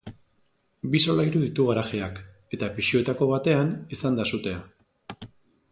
Bi solairu ditu garajeak, eta pisuetako batean izan da sutea.